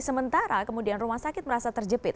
sementara kemudian rumah sakit merasa terjepit